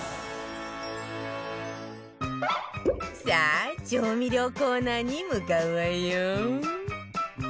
さあ調味料コーナーに向かうわよ